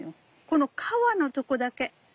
この皮のとこだけ。